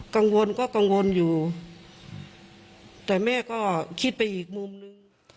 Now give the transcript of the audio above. กังวลก็กังวลอยู่แต่แม่ก็คิดไปอีกมุมนึง